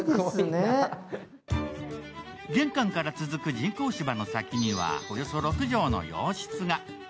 玄関から続く人工芝の先にはおよそ６畳の洋室が。